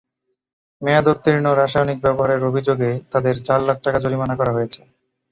মেয়াদোত্তীর্ণ রাসায়নিক ব্যবহারের অভিযোগে তাদের চার লাখ টাকা জরিমানা করা হয়েছে।